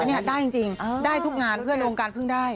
อันนี้ได้จริงได้ทุกงานเพื่อนวงการเพิ่งได้